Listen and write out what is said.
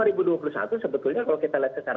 dua ribu dua puluh satu sebetulnya kalau kita lihat secara